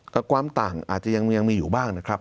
แต่ความต่างอาจจะยังมีอยู่บ้างนะครับ